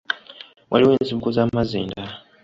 Waliwo ensibuko z'amazzi endala.